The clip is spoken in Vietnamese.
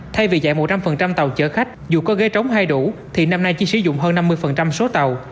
thay vì chạy một trăm linh tàu chở khách dù có ghế trống hay đủ thì năm nay chỉ sử dụng hơn năm mươi số tàu